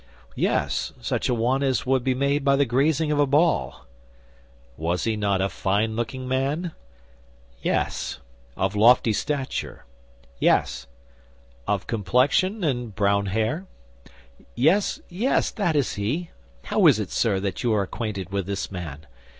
"Yes, such a one as would be made by the grazing of a ball." "Was he not a fine looking man?" "Yes." "Of lofty stature." "Yes." "Of pale complexion and brown hair?" "Yes, yes, that is he; how is it, sir, that you are acquainted with this man?